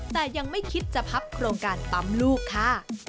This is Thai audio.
แต่ยังไม่คิดจะพับโครงการปั๊มลูกค่ะ